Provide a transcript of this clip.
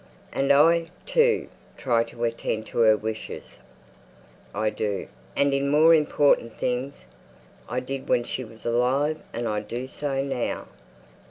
"And I, too, try to attend to her wishes. I do; and in more important things. I did when she was alive; and I do so now."